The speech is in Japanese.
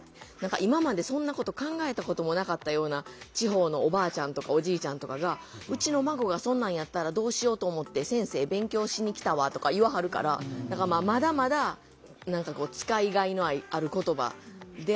今までそんなこと考えたこともなかったような地方のおばあちゃんとかおじいちゃんとかが「うちの孫がそんなんやったらどうしようと思って先生勉強しに来たわ」とか言わはるからだからまだまだ使いがいのある言葉であるかなあとは思いますね。